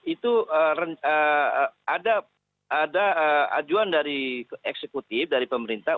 itu ada ajuan dari eksekutif dari pemerintah